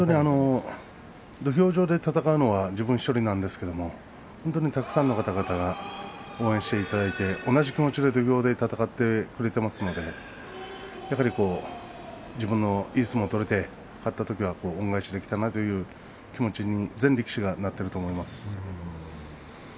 土俵上で戦うのは自分１人なんですけど本当にたくさんの方々が応援していただいて同じ気持ちで土俵で戦ってくれていますのでやはり自分のいい相撲を取れて勝ったときは恩返しできたなという気持ちに全力士がなっていると思います。